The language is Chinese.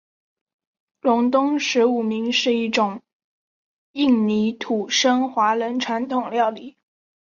隆东十五暝是一种印尼土生华人传统料理。